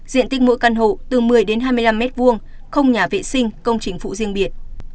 diện tích mỗi căn hộ từ một mươi đến hai mươi năm m hai không nhà vệ sinh công trình phụ riêng biệt